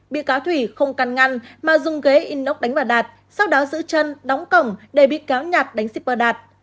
bị cáo thủy không căn ngăn mà dùng ghế inox đánh vào đạt sau đó giữ chân đóng cổng để bị kéo nhạt đánh shipper đạt